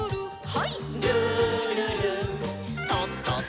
はい。